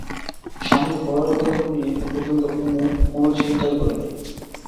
স্বামীর বয়স বা রূপ নিয়ে এ পর্যন্ত কুমু কোনো চিন্তাই করে নি।